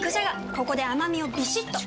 ここで甘みをビシッと！